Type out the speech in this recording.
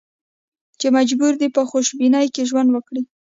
چې مجبور دي په خوشبینۍ کې ژوند وکړي.